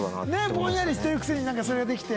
ぼんやりしてるくせになんかそれができて。